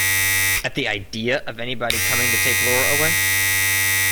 At the idea of anybody coming to take Laura away?